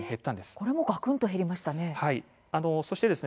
これもがくんと減りましたね。